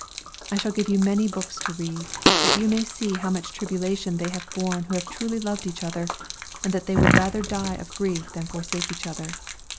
I shall give you many books to read, that you may see how much tribulation they have borne who have truly loved each other, and that they would rather die of grief than forsake each other.